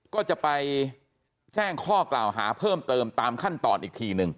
ก็จะไปแจ้งข้อกล่าวหาเพิ่มเติมตามขั้นตอนอีกทีหนึ่ง